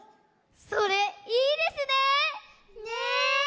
それいいですね。ね。